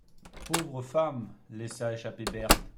Pauvre femme ! laissa échapper Berthe.